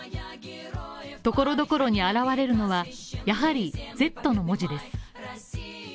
ところどころに現れるのは、やはりＺの文字です